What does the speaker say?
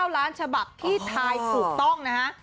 ล้านฉบับที่ทายถูกต้องนะฮะ